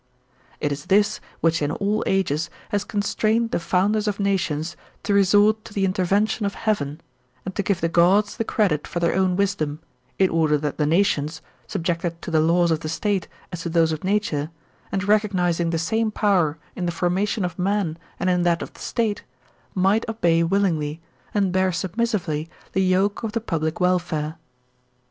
It is this which in all ages has constrained the founders of nations to resort to the intervention of heaven, and to give the gods the credit for their own wisdom, in order that the nations, subjected to the laws of the State as to those of nature, and recognizing the same power in the formation of man and in that of the State, might obey willingly, and bear submissively the yoke of the public welfare.